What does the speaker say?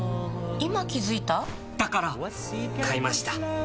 今気付いた？だから！買いました。